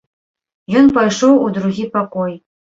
Ён пайшоў у другі пакой.